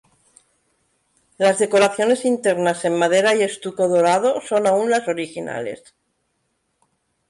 Las decoraciones internas en madera y estuco dorado son aún las originales.